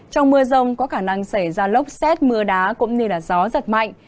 trong mưa rông có khả năng xảy ra lốc xét mưa đá cũng như gió giật mạnh